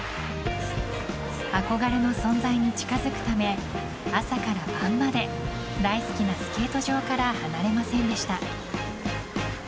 憧れの存在に近づくため朝から晩まで大好きなスケート場から離れませんでした。